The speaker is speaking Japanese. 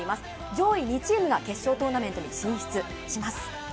上位２チームが決勝トーナメントに進出します。